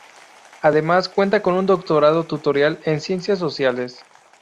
Además, cuenta con un doctorado tutorial en Ciencias Sociales.